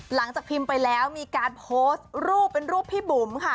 หลังจากพิมพ์ไปแล้วมีการโพสต์รูปเป็นรูปพี่บุ๋มค่ะ